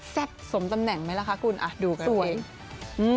แซ่บสมตำแหน่งไหมล่ะคะคุณดูกันเลย